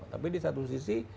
tapi di satu sisi